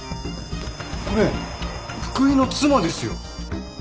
これ福井の妻ですよ！